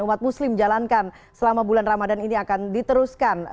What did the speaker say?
umat muslim jalankan selama bulan ramadan ini akan diteruskan